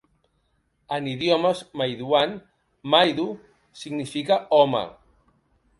En idiomes Maiduan, "Maidu" significa "home".